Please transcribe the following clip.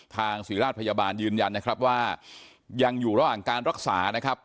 ศรีราชพยาบาลยืนยันนะครับว่ายังอยู่ระหว่างการรักษานะครับ